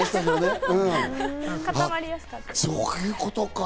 そういうことか。